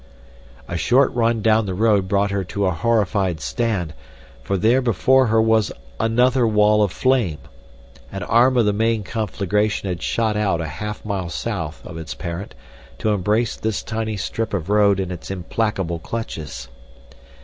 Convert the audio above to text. A short run down the road brought her to a horrified stand, for there before her was another wall of flame. An arm of the main conflagration had shot out a half mile south of its parent to embrace this tiny strip of road in its implacable clutches.